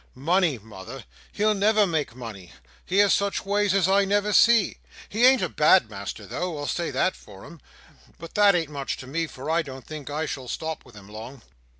"Money, mother! He'll never make money. He has such ways as I never see. He ain't a bad master though, I'll say that for him. But that ain't much to me, for I don't think I shall stop with him long."